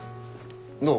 どう？